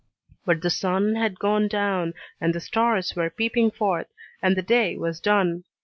But the sun had gone down and the stars were peeping forth, and the day was done.